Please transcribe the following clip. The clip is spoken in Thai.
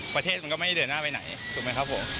ประเทศมันก็ไม่ได้เดินหน้าไปไหนถูกไหมครับผม